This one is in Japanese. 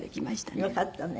よかったね。